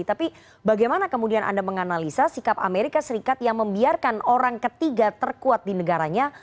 tapi bagaimana kemudian anda menganalisa sikap amerika serikat yang membiarkan orang ketiga terkuat di negaranya